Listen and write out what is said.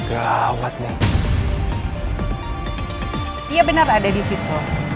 daun mana pak